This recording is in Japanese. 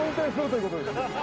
ということです